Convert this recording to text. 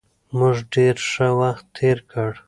موږ ډېر ښه وخت تېر کړ.